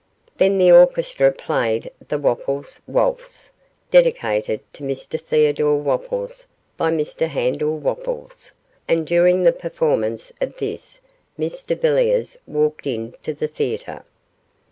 Then the orchestra played the 'Wopples' Waltz', dedicated to Mr Theodore Wopples by Mr Handel Wopples, and during the performance of this Mr Villiers walked into the theatre.